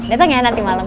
dateng ya nanti malem